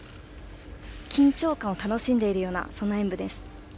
緊張感を楽しんでいるような演武です。